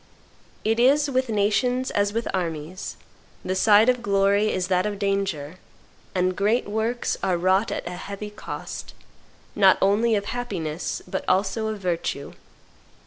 It is with nations as with armies; the side of glory is that of danger; and great works are wrought at a heavy cost, not only of happiness, but also of virtue.